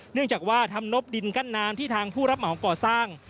เนื่องจากว่าทำนบดินกั้นน้ำที่ทางผู้รับเหมาก่อสร้าง